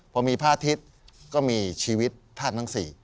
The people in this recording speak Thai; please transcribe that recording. พอมีพระอาทิตย์ก็มีชีวิตท่านทั้ง๔